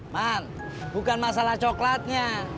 man bukan masalah coklatnya